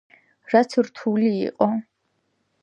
რაც რთული იყო.